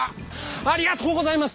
ありがとうございます！